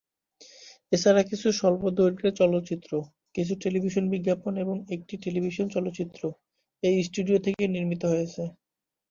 এছাড়া কিছু স্বল্পদৈর্ঘ্যের চলচ্চিত্র, কিছু টেলিভিশন বিজ্ঞাপন এবং একটি টেলিভিশন চলচ্চিত্র এই স্টুডিও থেকে নির্মিত হয়েছে।